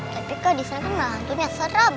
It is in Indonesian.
tapi kak disana nantunya serem